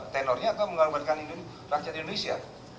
tenornya atau mengorbankan rakyat indonesia